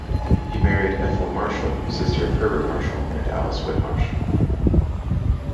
He married Ethel Marshall, sister of Herbert Marshall and Alice Whitmarsh.